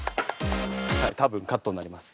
はい多分カットになります。